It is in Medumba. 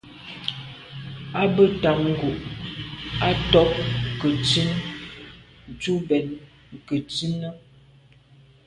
A be tam ngu’ à to’ nke ntsin tù mbèn nke nzine.